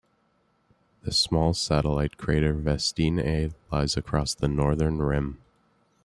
The small satellite crater Vestine A lies across the northern rim.